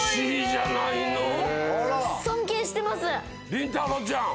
りんたろうちゃん！